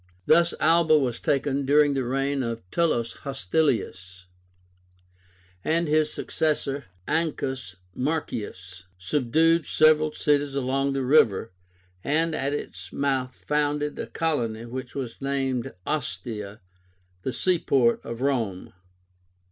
Thus Alba was taken during the reign of Tullus Hostilius, and his successor, Ancus Marcius, subdued several cities along the river, and at its mouth founded a colony which was named OSTIA, the seaport of Rome.